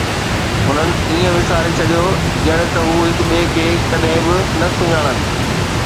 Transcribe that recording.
هنن ائين وساري ڇڏيو ڄڻ ته هو هڪ ٻئي کي ڪڏهن به نه سڃاڻن